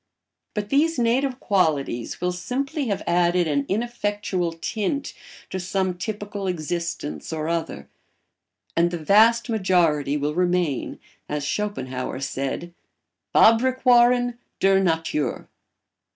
But these native qualities will simply have added an ineffectual tint to some typical existence or other; and the vast majority will remain, as Schopenhauer said, Fabrikwaaren der Natur.